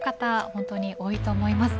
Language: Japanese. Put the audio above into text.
本当に多いと思います。